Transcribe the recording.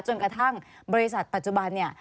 จนกระทั่งบริษัทปัจจุบันเนี่ย